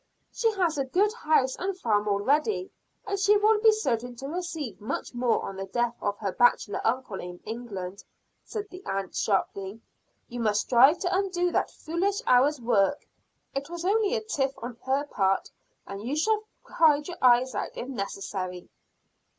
"She has a good house and farm already, and she will be certain to receive much more on the death of her bachelor uncle in England," said the aunt sharply. "You must strive to undo that foolish hour's work. It was only a tiff on her part, and you should have cried your eyes out if necessary."